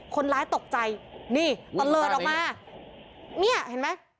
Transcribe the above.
คนร้ายตกใจนี่ตะเลิศออกมาเนี่ยเห็นไหม